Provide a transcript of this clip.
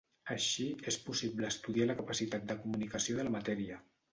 Així, és possible estudiar la capacitat de comunicació de la matèria.